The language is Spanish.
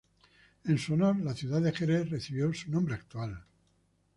En su honor la ciudad de Jerez recibió su nombre actual.